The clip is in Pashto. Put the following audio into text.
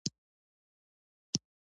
زه اته قلمونه لرم.